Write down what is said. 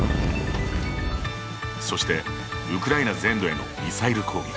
そして、ウクライナ全土へのミサイル攻撃。